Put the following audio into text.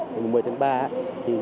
từ mùa một mươi tháng ba